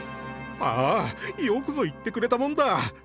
「ああ、よくぞ言ってくれたもんだ」。